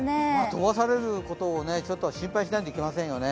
飛ばされることを心配しないといけませんよね。